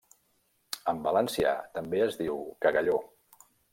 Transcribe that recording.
En valencià també es diu: cagalló.